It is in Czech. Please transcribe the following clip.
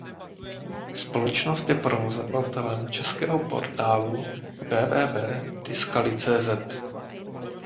Společnost je provozovatelem českého portálu www.tiscali.cz.